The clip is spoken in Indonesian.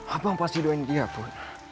abang pasti doain dia pun